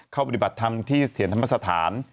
ปฏิบัติธรรมที่เถียรธรรมสถาน